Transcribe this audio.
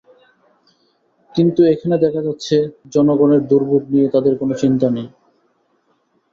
কিন্তু এখানে দেখা যাচ্ছে জনগণের দুর্ভোগ নিয়ে তাদের কোনো চিন্তা নেই।